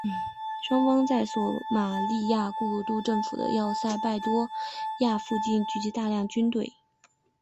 双方在索马利亚过渡政府的要塞拜多亚附近聚集大量军队。